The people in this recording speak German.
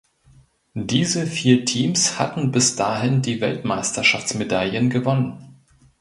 Diese vier Teams hatten bis dahin die Weltmeisterschaftsmedaillen gewonnen.